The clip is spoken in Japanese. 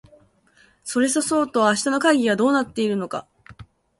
それそそうと明日の会議はどうなっているのか